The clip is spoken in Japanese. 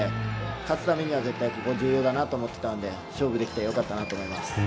勝つためには絶対ここ重要だと思っていたので勝負できて良かったなと思います。